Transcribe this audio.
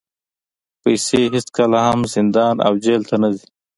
پیسې هېڅکله هم زندان او جېل ته نه ځي.